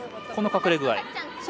この隠れ具合は？